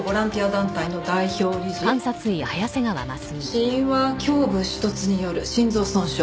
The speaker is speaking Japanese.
死因は胸部刺突による心臓損傷。